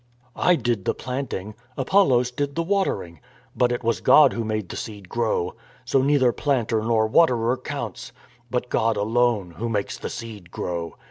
" I did the planting, Apollos did the watering, but * I Cor. V. 9. 256 STORM AND STRESS it was God who made the seed grow. So neither planter nor waterer counts, but God alone Who makes the seed grow.